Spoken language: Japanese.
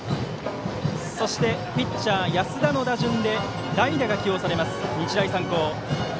そしてピッチャー、安田の打順で代打が起用されます、日大三高。